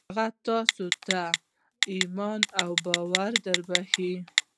هغه تاسې ته ايمان او باور دربښي.